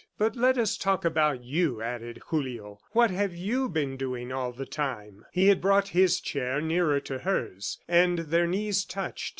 "But let us talk about you!" added Julio. "What have you been doing all the time?" He had brought his chair nearer to hers, and their knees touched.